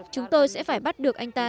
chúng tôi sẽ phải bắt được anh ta